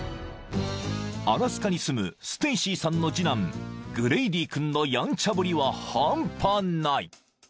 ［アラスカに住むステイシーさんの次男グレイディー君のやんちゃぶりは半端ない］